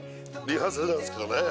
リハーサルなんですけどね。